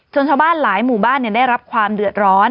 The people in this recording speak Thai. ชาวบ้านหลายหมู่บ้านได้รับความเดือดร้อน